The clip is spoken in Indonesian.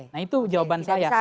nah itu jawaban saya